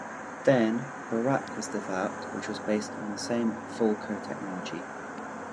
Then, Burraq was developed which was based on the same Falco technology.